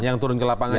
yang turun ke lapangan